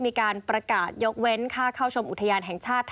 มีการประกาศยกเว้นค่าเข้าชมอุทยานแห่งชาติ